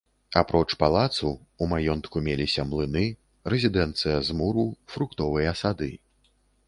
Апроч палацу, у маёнтку меліся млыны, рэзідэнцыя з муру, фруктовыя сады.